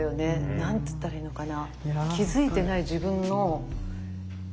何つったらいいのかな